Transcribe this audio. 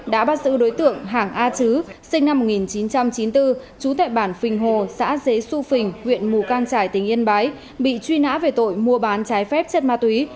đã bắt giữ đối tượng hàng a chứ sinh năm một nghìn chín trăm chín mươi bốn trú tại bản phình hồ xã xế xu phình huyện mù cang trải tỉnh yên bái bị truy nã về tội mua bán trái phép chất ma túy